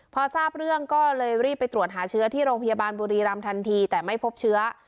พอทราบเรื่องก็เลยรีบไปตรวจหาเชื้อที่โรงพยาบาลบุรีรำทันทีแต่ไม่พบเชื้อ